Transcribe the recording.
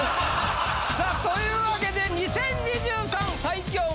さあ！というわけで２０２３最強運